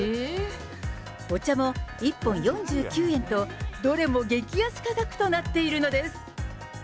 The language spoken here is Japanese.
お茶も１本４９円と、どれも激安価格となっているのです。